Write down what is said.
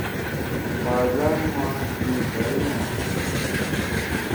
بازار ما مِٹھأئی آن۔